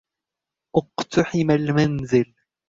اقتحم المنزل.